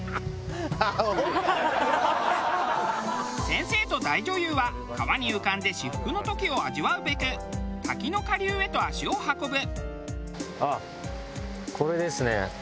先生と大女優は川に浮かんで至福の時を味わうべく滝の下流へと足を運ぶ。